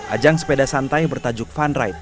ajang sepeda santai bertajuk fun ride